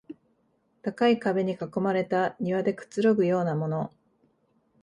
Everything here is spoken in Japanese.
高い壁に囲まれた庭でくつろぐようなもの